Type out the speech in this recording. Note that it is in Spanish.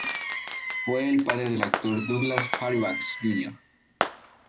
Fue el padre del actor Douglas Fairbanks, Jr.